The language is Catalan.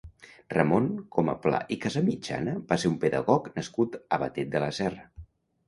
Ramon Comaplà i Casamitjana va ser un pedagog nascut a Batet de la Serra.